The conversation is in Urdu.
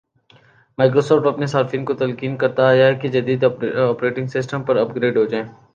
مائیکروسافٹ اپنے صارفین کو تلقین کرتا آیا ہے کہ جدید آپریٹنگ سسٹمز پر اپ گریڈ ہوجائیں